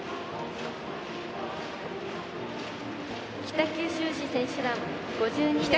北九州市選手団、５２名。